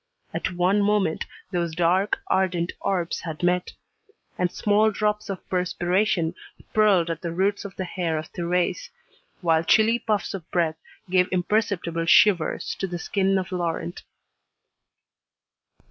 At one moment those dark, ardent orbs had met. And small drops of perspiration pearled at the roots of the hair of Thérèse, while chilly puffs of breath gave imperceptible shivers to the skin of Laurent.